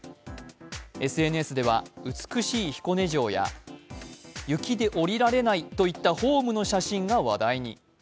ＳＮＳでは美しい彦根城や雪で降りられないといったホームの写真が話題に。